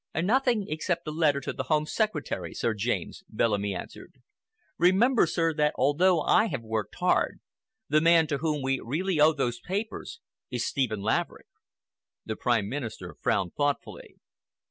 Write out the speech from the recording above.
"Nothing except a letter to the Home Secretary, Sir James," Bellamy answered. "Remember, sir, that although I have worked hard, the man to whom we really owe those papers is Stephen Laverick." The Prime Minister frowned thoughtfully.